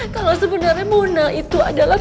kalau sebenarnya munal itu adalah